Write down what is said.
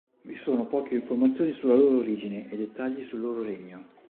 Vi sono poche informazioni sulla loro origine e dettagli sul loro regno.